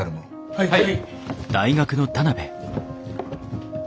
はい！